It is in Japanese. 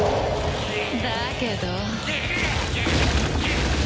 だけど。